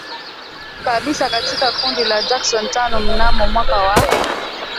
Kabisa katika kundi la Jackson Tano mnamo mwaka wa